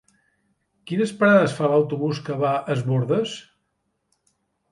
Quines parades fa l'autobús que va a Es Bòrdes?